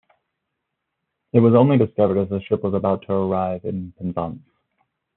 It was only discovered as the ship was about to arrive in Penzance.